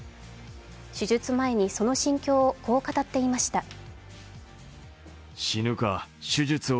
手術前にその心境をこう語っていました。